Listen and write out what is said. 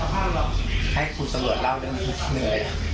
ก็ให้ครูสะลดเล่าเรื่องนี้